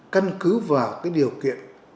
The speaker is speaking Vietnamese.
căn cứ vào cái điều kiện